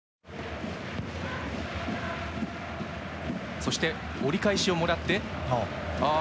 そして折り返しをもらってあまた